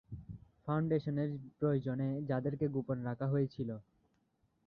Foundation এর প্রয়োজনে যাদেরকে গোপন করে রাখা হয়েছিল।